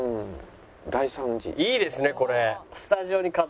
いいですねこれ！